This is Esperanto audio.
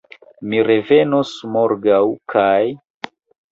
Mi revenos morgaŭ kaj